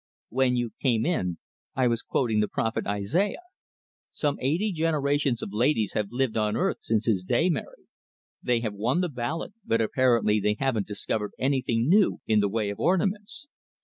"When you came in, I was quoting the prophet Isaiah. Some eighty generations of ladies have lived on earth since his day, Mary; they have won the ballot, but apparently they haven't discovered anything new in the way of ornaments.